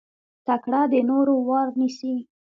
تکړه د نورو وار نيسي.